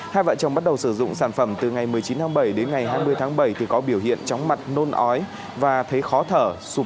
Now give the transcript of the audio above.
hai vợ chồng bắt đầu sử dụng sản phẩm từ ngày một mươi chín tháng bảy đến ngày hai mươi tháng bảy thì có biểu hiện chóng mặt nôn ói và thấy khó thở